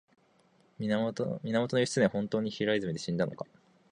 源義経は本当に平泉で死んだのか